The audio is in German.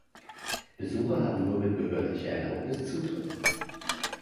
Besucher haben nur mit behördlicher Erlaubnis Zutritt.